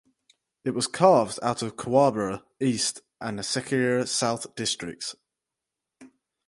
It was carved out of Kwabre East and Sekyere South Districts.